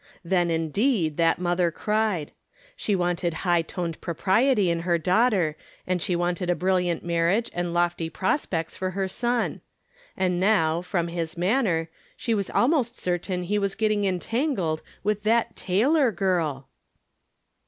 Then, indeed, that mother cried. She wanted high toned propriety in her daughter, and she wanted a brUliant marriage and lofty pros pects for her son. And now, from his manner, she was almost certain he was getting entangled with that Taylor girl